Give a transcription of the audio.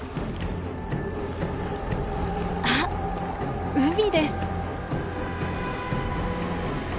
あっ海です！